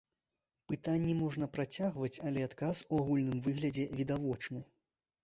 Пытанні можна працягваць, але адказ у агульным выглядзе відавочны.